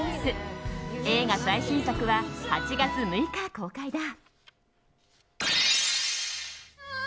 映画最新作は８月６日公開だ。